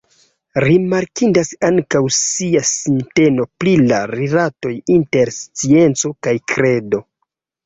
Rimarkindas ankaŭ lia sinteno pri la rilatoj inter scienco kaj kredo.